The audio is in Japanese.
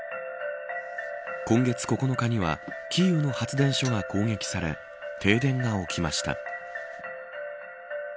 今月９日にはキーウの発電所が攻撃され停電が起きました。